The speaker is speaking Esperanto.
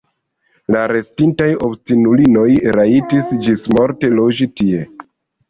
La restintaj obstinulinoj rajtis ĝismorte loĝi tie.